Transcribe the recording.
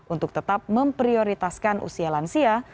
untuk tetap memprioritaskan usia lansia